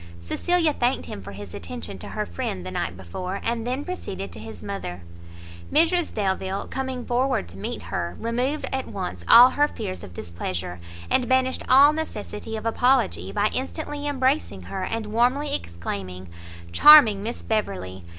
Cecilia thanked him for his attention to her friend the night before, and then proceeded to his mother. Mrs Delvile, coming forward to meet her, removed at once all her fears of displeasure, and banished all necessity of apology, by instantly embracing her, and warmly exclaiming "Charming Miss Beverley!